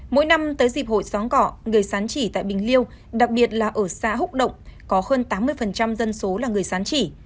mỗi năm tới dịp hội xóm cọ người sán chỉ tại bình liêu đặc biệt là ở xã húc động có hơn tám mươi dân số là người sán chỉ